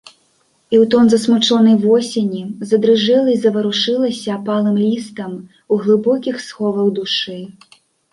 І ў тон засмучонай восені задрыжэла і заварушылася апалым лістам у глыбокіх сховах душы.